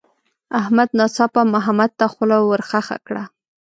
احمد ناڅاپه محمد ته خوله ورخښه کړه.